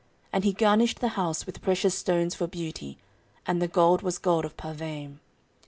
14:003:006 And he garnished the house with precious stones for beauty: and the gold was gold of Parvaim.